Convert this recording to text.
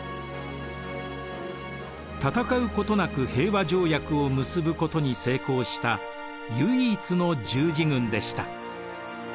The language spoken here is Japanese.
戦うことなく平和条約を結ぶことに成功した唯一の十字軍でした。